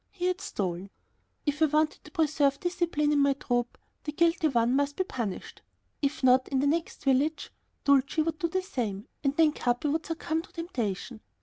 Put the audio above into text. He had stolen. If I wanted to preserve discipline in my troop, the guilty one must be punished. If not, in the next village Dulcie would do the same, and then Capi would succumb to the temptation.